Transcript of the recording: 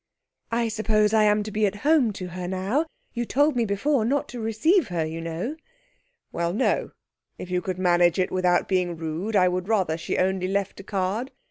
'I suppose I am to be at home to her now? You told me before not to receive her, you know.' 'Well, no; if you could manage it without being rude, I would rather she only left a card.